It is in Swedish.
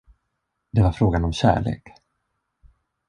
Det var frågan om kärlek.